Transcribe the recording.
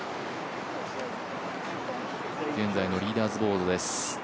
現在のリーダーズボードです